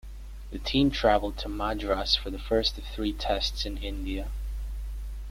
The team travelled to Madras for the first of three Tests in India.